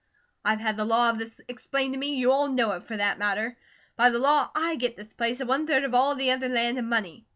I've had the law of this explained to me; you all know it for that matter. By the law, I get this place and one third of all the other land and money.